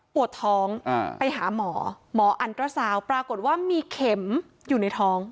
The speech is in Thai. ปวดท้องไปหาหมอหมออันตรสาวปรากฏว่ามีเข็มอยู่ในท้อง